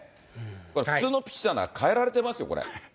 これ、普通のピッチャーなら代えられてますよ、これ。